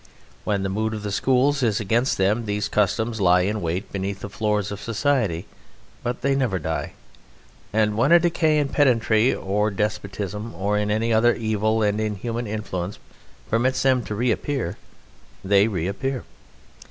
When the mood of the schools is against them these customs lie in wait beneath the floors of society, but they never die, and when a decay in pedantry or in despotism or in any other evil and inhuman influence permits them to reappear they reappear.